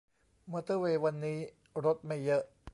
มอเตอร์เวย์วันนี้รถไม่เยอะ